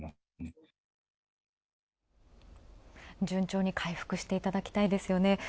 順調に回復していただきたいですよね。